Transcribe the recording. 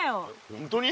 本当に？